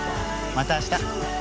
また明日。